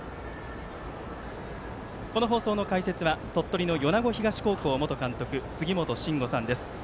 この放送の解説は鳥取の米子東高校元監督杉本真吾さんです。